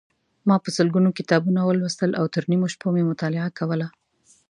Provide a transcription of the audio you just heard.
ما په سلګونو کتابونه ولوستل او تر نیمو شپو مې مطالعه کوله.